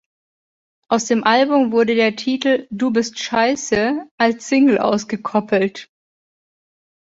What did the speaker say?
Aus dem Album wurde der Titel "Du bist Scheiße" als Single ausgekoppelt.